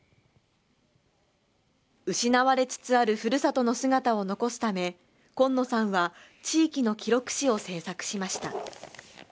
失われつつあるふるさとの姿を残すため、今野さんは地域の記録誌を制作しました。